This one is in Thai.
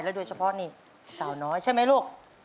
โดยเฉพาะนี่สาวน้อยใช่ไหมลูก